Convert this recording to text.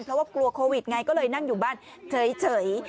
เพราะว่ากลัวโควิดไงก็เลยนั่งอยู่บ้านเฉย